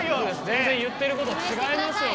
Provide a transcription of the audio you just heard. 全然言ってること違いますよね。